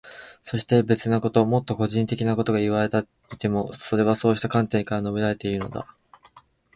そして、別なこと、もっと個人的なことがいわれていても、それはそうした観点から述べられているのだ。